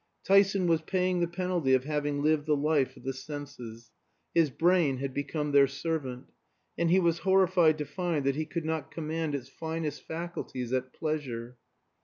Tyson was paying the penalty of having lived the life of the senses; his brain had become their servant, and he was horrified to find that he could not command its finest faculties at pleasure.